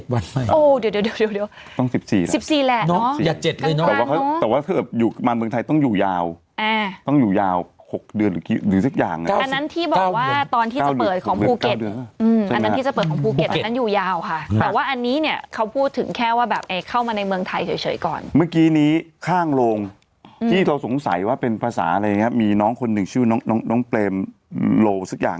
วันนี้บางคนบอกตอนนี้เขามันคิดกันอยู่ว่าจะลดหรือ๗วัน